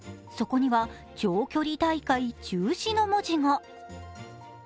そこには長距離大会中止の文字が。